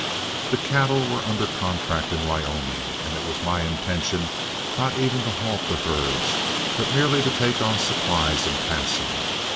The cattle were under contract in Wyoming, and it was my intention not even to halt the herds, but merely to take on supplies in passing.